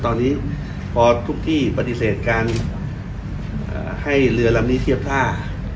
ตอนนี้พอทุกที่ปฏิเสธการให้เรือลำนี้เทียบท่า